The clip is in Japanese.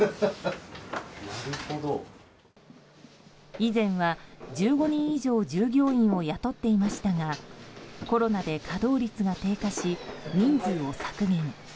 以前は１５人以上従業員を雇っていましたがコロナで稼働率が低下し人数を削減。